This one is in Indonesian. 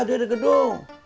nanti lu di gedung